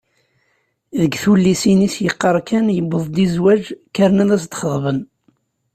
Deg tullisin-is yeqqar kan: “yewweḍ-d i zzwaj, kkren ad s-d-xeḍben”.